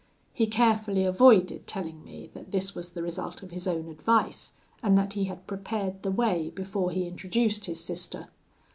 He carefully avoided telling me that this was the result of his own advice, and that he had prepared the way before he introduced his sister.